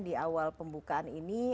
di awal pembukaan ini